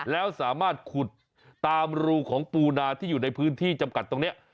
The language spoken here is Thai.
แล้วสามารถขุดตามรูของปูนาที่อยู่ในพื้นที่จำกัดตรงนี้